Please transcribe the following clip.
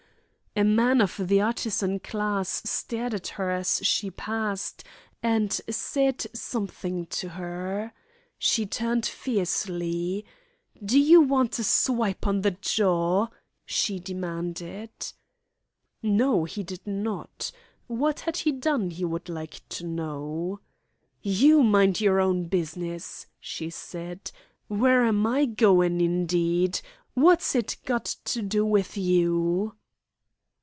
A man of the artisan class stared at her as she passed, and said something to her. She turned fiercely. "Do you want a swipe on the jaw?" she demanded. No, he did not. What had he done, he would like to know. "You mind your own business," she said. "Where am I goin', indeed. What's it got to do with you?"